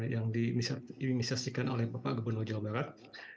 yang diimunisasikan oleh bapak gubernur jawa barat